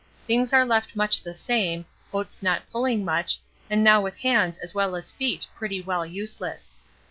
Things are left much the same, Oates not pulling much, and now with hands as well as feet pretty well useless.